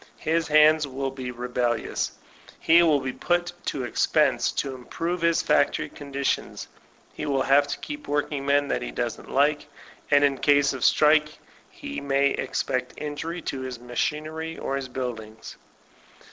His hands will be rebellious, he will be put Id expense to improve his factory conditions, he will have Id keep workingmen that he doesn't like, and in case of strike he may expect injury to his machinery or his buildings.